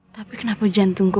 tapi kenapa jantungku